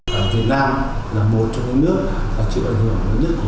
những nơi đã được công nghệ đặt chuẩn có thể mất mức đặt chuẩn